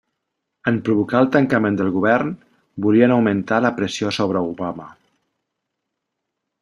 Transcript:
En provocar el tancament del govern volien augmentar la pressió sobre Obama.